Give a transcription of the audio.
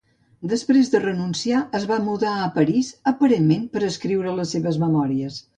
Després de renunciar, es va mudar a París aparentment per a escriure les seves memòries.